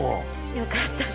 よかったよ。